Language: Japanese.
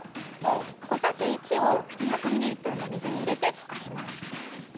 小さじ１を２００ミリリットルの水に入れて溶かします。